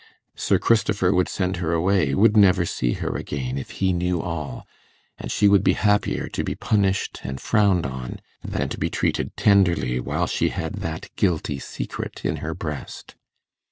Sir Christopher would send her away would never see her again, if he knew all; and she would be happier to be punished and frowned on, than to be treated tenderly while she had that guilty secret in her breast.